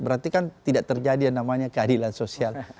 berarti kan tidak terjadi yang namanya keadilan sosial